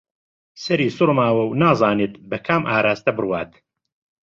سەری سووڕماوە و نازانێت بە کام ئاراستە بڕوات